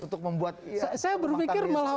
untuk membuat rumah tangga ini solid